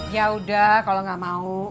yaudah kalau nggak mau